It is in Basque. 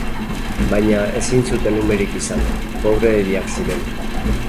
Baina ezin zuten umerik izan, pobreegiak ziren.